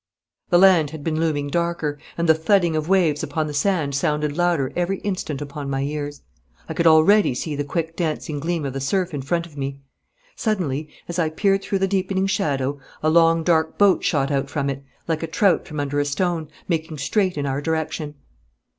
The land had been looming darker, and the thudding of waves upon the sand sounded louder every instant upon my ears. I could already see the quick dancing gleam of the surf in front of me. Suddenly, as I peered through the deepening shadow, a long dark boat shot out from it, like a trout from under a stone, making straight in our direction.